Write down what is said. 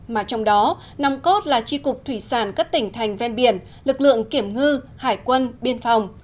mà trong đó nòng cốt là tri cục thủy sản các tỉnh thành ven biển lực lượng kiểm ngư hải quân biên phòng